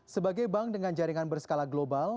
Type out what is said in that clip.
sebagai bank dengan jaringan berskala global